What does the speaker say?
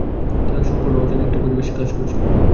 তারা সম্পূর্ণ অজানা একটা পরিবেশে কাজ করছিল।